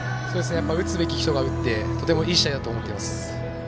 打つべき人が打ってとてもいい試合だと思っています。